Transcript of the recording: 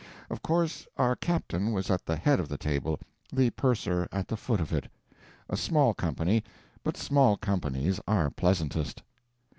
Of course, our captain was at the head of the table, the purser at the foot of it. A small company, but small companies are pleasantest.